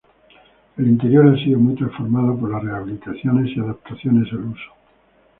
El interior ha sido muy transformado por las rehabilitaciones y adaptaciones al uso.